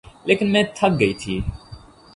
لیکن میں تھک گئی تھی